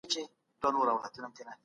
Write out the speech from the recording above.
که ته په تخته لیکل کوې نو تباشیر واخله.